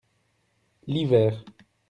L'hiver.